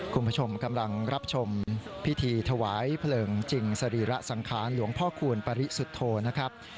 คุณผู้ชมกำลังรับชมพิธีถวายเพลิงจริงสรีระสังขารหลวงพ่อคูณปริสุทธโธนะครับ